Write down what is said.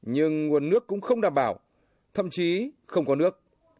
nhưng nguồn nước cũng không đảm bảo thậm chí không có nước